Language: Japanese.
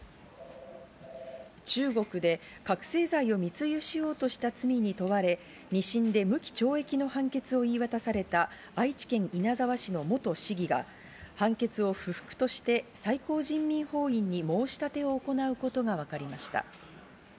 中国で覚せい剤を密輸しようとした罪に問われ、２審で無期懲役の判決を言い渡された愛知県稲沢市の元市議が判決を不服として最高人民法院に申し立てを行うことが分かりました。